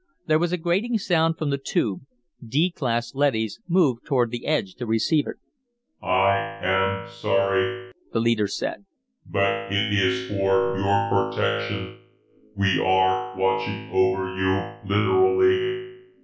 There was a grating sound from the Tube. D class leadys moved toward the edge to receive it. "I am sorry," the leader said, "but it is for your protection. We are watching over you, literally.